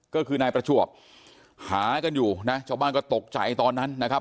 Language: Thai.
ก็คือนายประจวบหากันอยู่นะชาวบ้านก็ตกใจตอนนั้นนะครับ